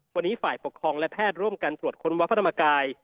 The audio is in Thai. วันนี้ฝ่ายปกครองและแพทย์ร่วมกันตรวจค้นวัดพระธรรมกาย